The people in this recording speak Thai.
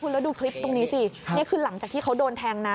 แล้วดูคลิปตรงนี้สินี่คือหลังจากที่เขาโดนแทงนะ